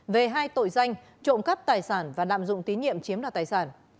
về hai tội danh trộm cắp tài sản và lạm dụng tín nhiệm chiếm đoạt tài sản